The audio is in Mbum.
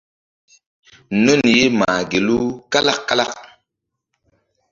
Sa̧wu mí riŋ ye ɓa naymbih nun ye mah gelu kalak kalak.